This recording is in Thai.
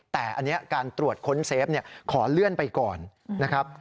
แต่อันนี้การตรวจค้นเซฟขอเลื่อนไปก่อนนะครับ